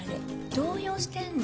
動揺してんの？